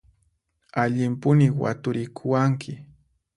Allimpuni waturikuwanki!